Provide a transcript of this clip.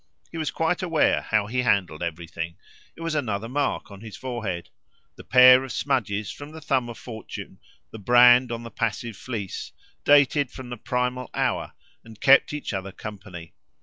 He was quite aware how he handled everything; it was another mark on his forehead: the pair of smudges from the thumb of fortune, the brand on the passive fleece, dated from the primal hour and kept each other company.